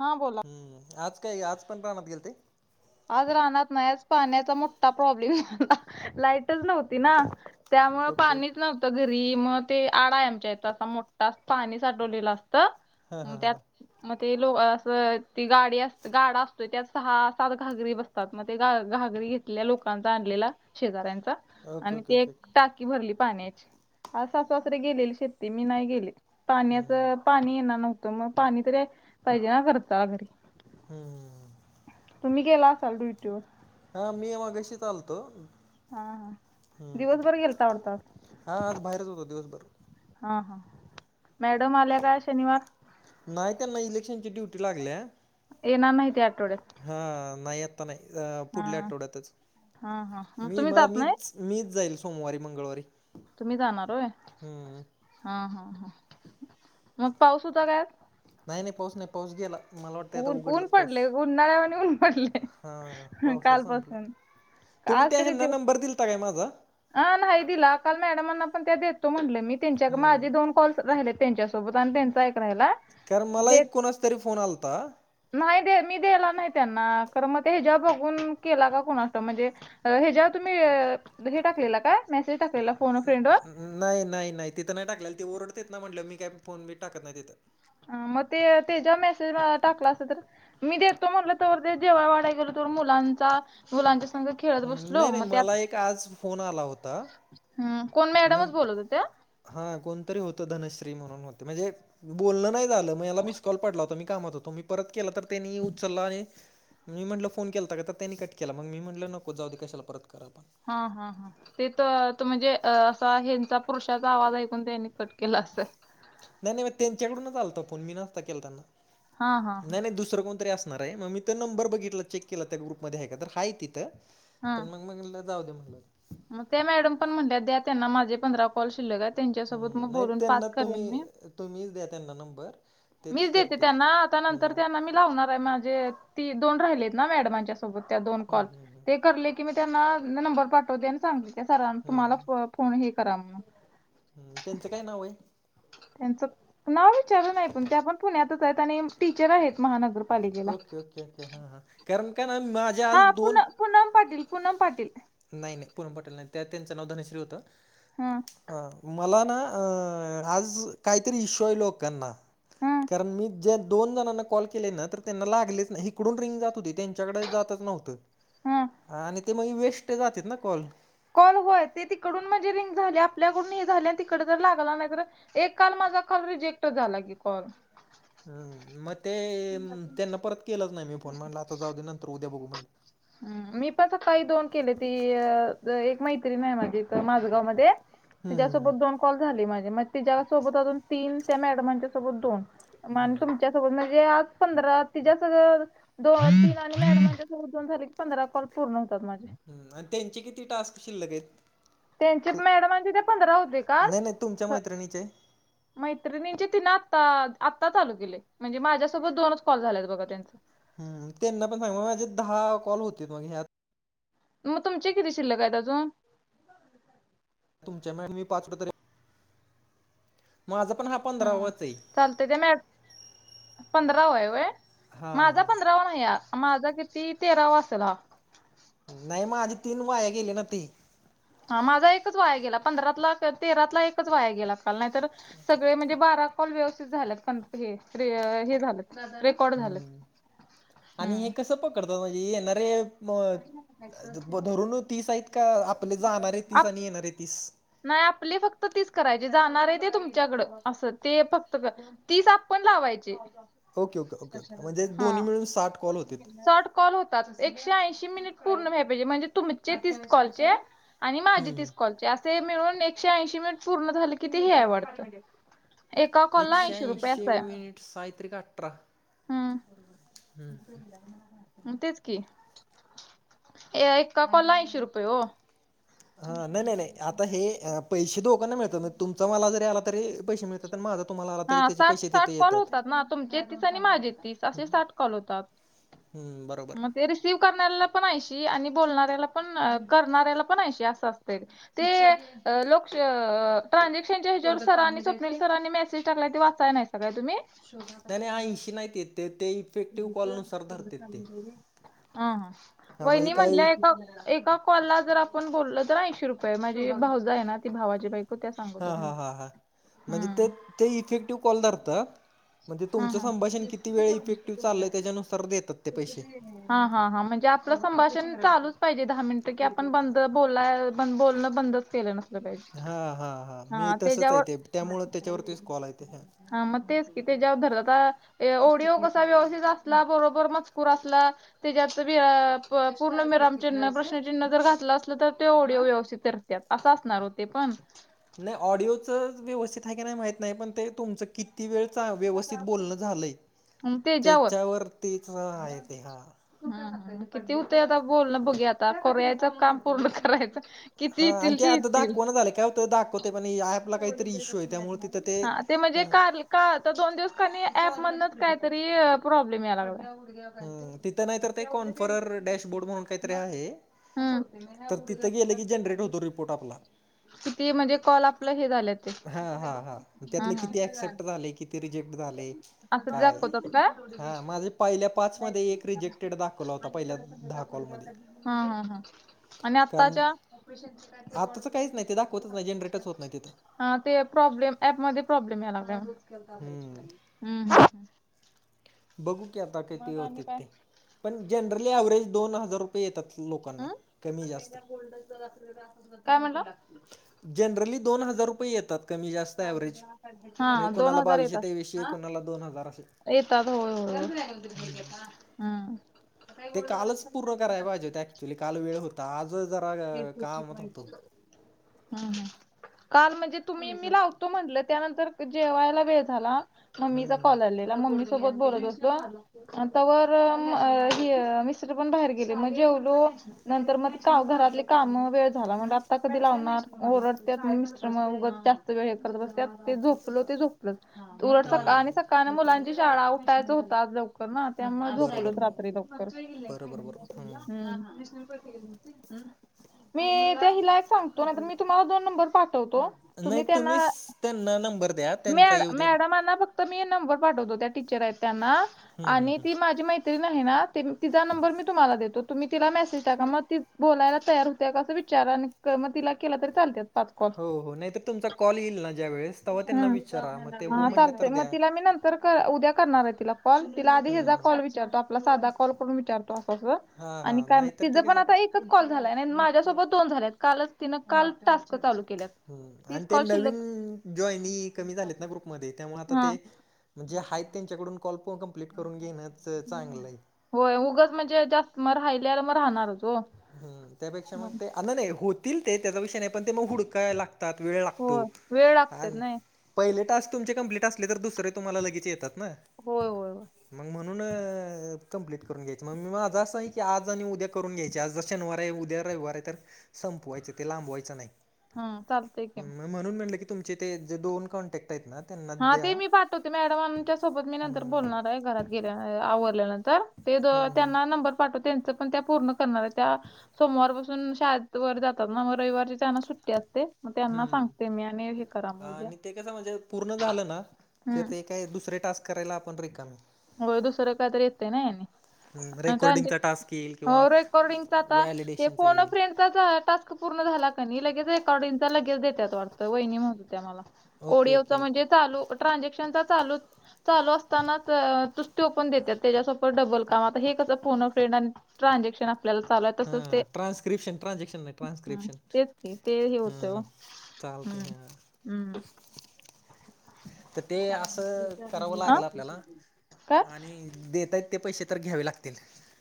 हां बोला ह् आज काय आज पण राहनात गेल ते आज राहनात नाहीज पाण्याचा मोठा प्रॉब्लेम होता लाईटच नव्हती ना त्यामु ओके ओके. पाणीच नव्हतं घरी मग ते आडा आहे आमच्या इथं असा मोठा अस पाणी साठवलेलं असतं त्यात मग ते लो असं ती गाडी अस गाड असतोय त्यात सहा सात घागरी बसतात मग ते घागरी घेतलेल्या लोकांचा आणलेला शेजाऱ्यांचा ओके आणि ओके ते ओके एक टाकी भरली पाण्याची अस वासरे गेलेली शेती मी नाही गेले. हम्म पाण्याचं पाणी येना नव्हतं मग पाणी तरी पाहिजे ना खर्च अ घरी. हम हम. तुम्ही केला असालडुविटीवर. हा मी माघ्याशी चालतो. हा हा हम्म दिवसभर गेलता वाटतं आज हा आज बाहेरच होतो दिवसभर. हा हा मॅडम आल्या का शनिवार. नाही त्यांना इलेक्शनची ड्युटी लागल्या आहे. येणार नाही ते आठवड्यात. हा नाही आता नाही हा पुढल्या आठवड्यातच हा हा मग मी तुम्ही मला जात नाही मीच. मीच जाईल सोमवारी मंगळवारी. तुम्ही जाणार होय हम्म. हा हा ह मग पाऊस होता काय. नाही नाही पाऊोस नाही पाऊोस गेला. मला वाटतं आता ऊन ऊन उघडलाच पाऊस पडले उन्हाळ्यावानी ऊन पडले हा पाऊसाच संपला. कालपासून तुम्ही त्या हना नंबर दिलता काय माझा. ह नाही दिला काल मॅडमांना पण त्या देतो म्हटले मी त्यांच्या हम्म माझे दोन कॉलस राहिले त्यांच्या. सोबत आणि त्यांच ऐक राला कारण मला एक कोणास तरी फोन आलाता. नाही दे मी दला नाही त्यांना कार मग ते हच्या बघून केला का कोुणा असत म्हणजे. हे जेव्हा तुम्ही हे टाकलेलं काय मेसेज टाकलेला. फोन फ्रेंड वर नाही नाही नाही तिथं नाही टाकलेल त ओरडतेत ना म्हटलं मी काही फोन बी टाकत नाही तिथं. ह मग ते ते ज मेसेज टाकला अस तर. मी देतो म्हटलं तर ते जेव्हा वाडाय गेलो तर मुलांचा. मुलांच्या संग खेळत हं, बसलो नाही, नाही. मग त्यात. मला एक आज फोन आला होता. हम् कोण मॅडमच बोलत होत्या. हा कोणतरी होतं धनश्री म्हणून होते म्हणजे. बोलल नाही झालं मग याला मिस कॉल पाडला होता मी कामात होतो मी परत केला तर त्यांनी उचलला आणि. मी म्हटलं फोन केलाता का तर त्यांनी कट केला मग मी म्हटलं नको जाऊ कशाला परत करा आपण. हा हा हा ते त त म्हणजे असं हचा. पुरुषाचा आवाज ऐकून त्यांनी कट केला अस. नाही नाही मग त्यांच्याकडूनच आलत फोन मी नसता केलताना हा हा हा नाही नाही दुसरं कोणतरी असत. मग मी नंबर बघितलं चेक केला त्या ग्रुप म का हय तिथं. हा पण मग मग जाऊ दे म्हटलं मग ते मॅडम पण म्हणत द्या त्यांना माझे पंधरा कॉल शिल्लक आहे त्यांच्यासोबत हम्म मग नाही बोलून पाक त्यांना तुम्ही करेन मी तुम्हीच द्या त्यांना नंबर. तेच मीच देते करतील. त्यांना आता नंतर हम्म त्यांना मी लावणार आहे माझे ती दोन राहिलेत ना मॅडमांच्या दोन हम्म कॉल हम्म ते करले की मी त्यांना नंबर पाठवते सांग सरां हम्म हम्म तुम्हाला कोणही करा मग हम त्यांचं काय नाव आहे. त्यांचं नाव विचारलं नाही पण ते आपण पुण्यातच आहेत आणि टीचर आहेत महानगरपालिकेला. हा हा कारण काण मा. हा पुन पूनम पाटील पूनम पाटील. नाही नाही पूनम पाटील नाही त्या त्यांचं नाव धनश्री होत ह मला ना. अ आज काहीतरी इशू आहे लोकांना. ह कारण मी जे दोन जणांना कॉल के. त्याना लागलीच नाही इकडून रिंग जात होती. त्याचा कडे जातच ह नव्हती. ते मग वेस्ट जातात ना कॉल. कॉल होय ते तिकडून म्हणजे रिंग झाले आपल्याकडून हे झाले आणि तिकड जर लागला नाही तर. एक काल माझा कॉल रिजेक्ट झाला की कॉल. हम् मग ते त्यांना परत केलंच नाही मी फोन म्हटलं आता जाऊ दे नंतर उद्या बघू म्हटले. ह मी पण स काही दोन केले ती एक मैत्री नाही मागे माझ गाव मध्ये हम्म. तिच्यासोबत दोन कॉल झाली माझे म तिच्यासोबत अजून तीन त्या मॅडमांच्या सोबत दोन मण तुमच्या सोबत जे आ पंधरा तिच्या सगळं दोन आणि्या दोन झा क पंधरा कॉल पूर्ण होतात माझे हम आणि त्यांचे किती टास्क शिल्लक आहेत. त्यांचे मॅडमांचे ते पंधरा होते का नाही नाही तुमच्या मैत्रिणीचे? मैत्रिणींचे तिन आता आत्ता चालू गेले म्हणजे माझ्यासोबत दोनच कॉल झालेत बघा त्यांच हम त्यांना पण सांग म माझे दहा कॉल होते मग ह्यात मग तुमचे किती शिल्लक काय अजून तुमच्या मी पाचड त माझा पण हा पंधरावाच आहे. चालत ते मॅडम पंधराव आहे व्हय हा माझा हा. पंधरावन या माझा किती तेरावा असेल हा. नाही मा माझी तीन वाया गेली ना ती हा माझा एकच वाया गेला पंधरातला तेरातला एकच वाया गेला काल नाहीर सगळे म्हणजे बारा सर्व कॉल व्यवस्थित झालेत कंप्लेंट ते हे झालं हम्म आणि हे कसं पकडतात म्हणजे येणारे मग धरून तीस आहेत का आपले जाणार आहे तीस आप आणि येणारे तीस नाही आपली फक्त तीच करायची जाणार आहे ते तुमच्याकडं असं ते फक्त तीस आपन लावायचे ओके ओके ओके ओके म्हणजे हा दोन्ही मिळून साठ कॉल होतील. कॉल होतात एकशे ऐशी मिनिट पूर्णजे म्हणजे तुमचे तीस कॉलचे आणि माझी तीस हम्म कॉलचे असे मिळून एकशे ऐंशी मिनिट पूर्ण झाले किती हे आहे वाटतं. एका कॉल ला एकशे ऐशी ऐंशी रुपयेचा आहे मिनिट साय त्रिक अठरा हम्म तेच कि, ए एकका कोला ऐशे रुपयेो ह नाही नाही नाही आता हे पैसे दोकांना मिळत ना तुमच मला जरी आला तरी पैसे मिळत माझ तुम्हाला हा तरी त्याचे साठ पैसे साठ तिथे कॉल येतात. होतात ना तुमचे तीस आणि माझे तीस असे साठ कॉल होतात हम्म बरोबर सीव्ह करणाऱ्याला पण शी आणि बोलणाऱ्याला पण करणाऱ्याला पण शी असं असते ते लोक ट्रानझक्शनच्या हिजेवर सरांनी स्वप् सरांनी मेसेज ला ते वाचाय नाही सका तुम्ही शो नाही नाही ऐंशी नाहीत येत ते ते इफेक्टिव्ह कॉलनुसार धरतात ते हा हा म्हणजे वहिनी काय म्हटलंय का एका कॉलला जर आपण बोललं तर ऐंशी रुपये माझे भावज आहे ना ती भावाचीै हा हा हा हां म्हणजे ते हम्म. ते इफेक्टिव्ह कॉलदर म्हणजे हा तुमचं हा. संभाषण किती वेळ इफेक्टिव्ह चालय त्याच्यानुसार देतात ते पैसे हा हा हां म्हणजे आपलं संभाषण चालूच पाहिजे दहा मिनिटं की आपण बंद बोलाय पण बोलणं बंदच केलं नसलं पाहिजे हा हा मी हा तसंच आहे त्याच्यावर ते त्यामुळं त्याच्यावरतीच कॉल ते ह हा म तेच किती जा उधरलाात ओडीिओ कसा व्यवस्थित असला बरोबर मजकूर असला त्याच्यात पूर्ण मिरामचिन्ह प्रश्नचिन्ह जर घातलं असलं तर ते ओढिओ व्यवस्थित त्यात असं असणार हो ते पण नाही ऑडिओचं व्यवस्थित आहे की नाही माहत नाही पण ते तुमचं किती ती वेळ व्यवस्थित बोलणं झालंय त्याच्यावर तेच आहे ते हा किती होते आता बोलणं बघे आता करू यायचं काम पूर्ण करायचं किती हा आणि येतील ते आता येतील दाखवना झाले काय हो दाखवते पण ऍपला काहीतरी इश्यू आहे त्यामुळे तिथं ते हा ते म्हणजे ह का का तर दोन दिवस कानी ऍप म्हणत कायतरी प्रॉब्लेम या लागला हम तिथं नाही तर ते कॉन्फरर डॅशबोर्ड म्हणून काहीतरी आहे हम् तर तिथं गेलं की जनरेट होतो रिपोर्ट आपला किती म्हणजे कॉल आपलं हे झालेत हा हा हा त्यातले किती ऍक्सेप्ट झाले किती रिजेक्ट झाले असंच काय दाखवतात का? हा माझे पहिल्या पाच मध्ये एक रिजेक्ट ह हा हा आणि कारण आताच्या आताचं काहीच नाही ते दाखवतच नाही जनरेटच होत नाही तिथं हा ते प्रॉब्लेम ऍप मध्ये प्रॉब्लेम याला हम्म मॅम बघू की आता काही ते मग आणि होते काय ते पण जनरली व्हरेज दोन हजार येतात लोकांना अं कमी जास्त काय म्हणला? जनरली दोन हजार रुपये येतात कमी जातव्हेज म्ह हा दोन कोणाला बावीशे तेवी के कोणाला दोन हजार असेल एता तर होय होय ह हम्म ते कालच पूर्ण कराय पाहिजे हो ते ऍक्च्युली काल वेळ होत आजं जरा काम होत होतो हम् हम काल म्हणजे तुम्ही मी लावतो म्हंटलं त्यानंतर जेवायला वेळ झाला मम्मीचा हम्म कॉल आलेला मम्मी सोबत बोलत असतो आ त्यावर मिस्त्र पण बाहेर गेले मणजेवलो नंतर मग का घरात कामवर वेळ झाला म्हंतल आता कधी लावणार ओरडत म मिस्टर मग उग जास्त वेळ हे करत बस झोपल ते झोपलं उट सका हम्म आणि सका मुलांची शाळा उठायच होतात लवकर ना त्यामुळे बरोबर झोकलोच बरोबर रात्री लवकर बरोबर बरोबर. हम्म हम् मी त्या हिला यक सांगतो ना तर मी तुम्हाला दोन नंबर पाठवतो नाही तुम्ही त्यांना तुम्हीच त्यांना नंबर द्या त्यांचा मॅड येऊ दे मॅडमाना मी नंबर पाठवतो त्या टीचर आहेत त्यांना आणि ती माझी माहिती तरी नाही ना ते तिचा नंबर मी तुम्हाला देतो तुम्ही तिला मेसेज टाका मग ती बोलायला तयार हुत्या का अस विचार आणि मग तिला केला तरी चालत पाच कॉल हो, हो. नाहीतर तुमचा कॉल येईल ना ज्यावेळेस तेव्हा ह त्यांना विचारा. मग ते हो हा म्हटल्या तर सांगते मग द्या. तिला मी न तर उद्या करणार आहे तिला कॉल तिला आधी हं, हचा हं. कॉल विचारतो आपला साधा कॉल करून विचारतो असं अस हां, आणि हां. काय नाहीतर तिझं ते पण कसं आता एकच कॉल झालाय माझ्यासोबत दोन झालेत कालच तिनं काल टास्क चालू केल्या ह आणि ते नवीन जॉईनी कमी झालेत ना ग्रुपमध्ये त्यामुळे आता हा ते म्हणजे हायत त्यांच्याकडून कॉल्प कंप्लीट करून घेणंच चांगलं आहे होय उगच म्हणजे जास्त मग राहिले मग राहणारच हो हम त्यापेक्षा मग ते अल नाही होतील ते त्याचा विषय नाही पण ते मग हुडका लागत हातात वेळ लागतो होय वेळ लागते आणि नाही पहिले टास तुमचे कंप्लीट असले तर दुसरे तु्हाला लगेचे येतात ना हो हो मग म्हणून कम्प्लीट करून घ्यायच मग मी माझं असं आहे की आज आणि उद्या करून घ्यायच आज शनिवार आहे उद्या रविवार तर संपवायचं ते लांबवायचं नाही हम् चालतय कि मग म्हणून म्हटलं की तुमचे तेे दोन कॉन्टॅक्ट आहेत ना त्यांना हा द्या ते मी पाठवते मॅडमच्या सोबत मी नंतर हम्म बोलणार आहे घरात गेल्या आवरल्यानंतर तर ते हम्म त्यांना नंबर पाठव त्यांच पण त्या पूर्ण करणार त्या सोमवार पासून शाळेत वर जातात ना मग रविवारची चना सुट्टी असते मग त्यांना हम्म सांगते मी आणि हे करा म उद्या आणि ते कस म्हणजे पूर्ण झालं ना ज हम्म ते काय दुसरे टास्क करायला आपण रिकाम हो दुसरं काही तरी येतंय ना रेकॉर्डिंगचा टास्क येईल किंवा हो रेकॉर्डिंगचा आता ते व्हॅलिडेशनचा फोन येईल फेंड त्या टास्क पूर्ण झाला क लगेच ए अ इंचा लगेच देतात वाटतं वहिनी म्हण त्या मला ओके ओडिओ ओके ओके म्हणजे चालू ट्रानझॅक्शन चालू चालू असताना ुचतो पण देतात त्याच्यासोबर डबल काम आता हे कसं पोन फ्रेंड आणि ट्रान्झॅक्शन आपल्याला चाल तसच ते हां ट्रान्स्क्रिप्शन ट्रान्झॅक्शन नाही हम् ट्रान्स्क्रिप्शन तेच क ते हे होत हां चालते हम् हां हम्म तर ते असं करावं आ लागेल आपल्याला काय? आणि देत आहेत ते पैसे तर घ्यावे लागतील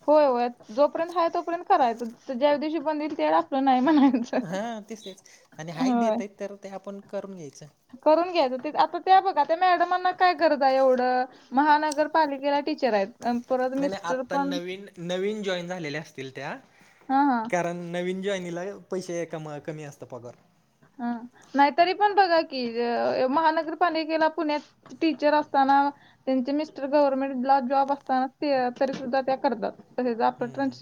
होय होय जोपर्यंत आहे तोपर्यंत कराय ज्या्या दिवशी बनल ते हा तसच आणि हाय होय. देतय तर ते आपण करून घ्यायचं करून घ्यायचं ते आता त्या बघा त्या मॅडमांना काय गरज आहे एवढं महानगरपालिकेला टीचर आहेत परत नाही नाही मिस्टर आत्ता पण नवीन नवीन जॉईन झालेल्या असतील त्या हा हा कारण नवीन ज्यनीला पैसे क कमी असतं पगार ह नाहीतरी पण बघा की महानगरपालिकेला पुण्यात टीचर असताना त्यांचे मिस्टर गव्हर्नमेंट ला जॉब असताना ते तरी सुद्धा त्या करतात आप हम्म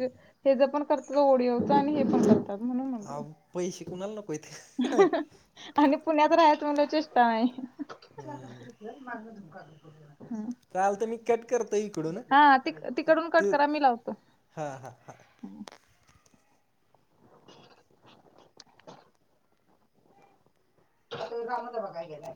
पण कर ओड आणि पण करतातण हा पै श कोणाला आणि पुण्यात राहाच मुलाची इष्टा नाही हम्म माझुमका चाल तर मी कट करतो इकडून ति तर तिकडून कट ते करा मी लावतो हा हां ह तो जागंद बघाय गेलाय